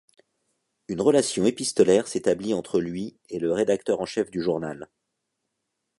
Une relation épistolaire s'établit entre lui et le rédacteur en chef du journal.